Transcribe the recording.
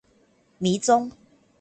迷蹤